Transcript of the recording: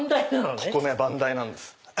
ここね番台なんです。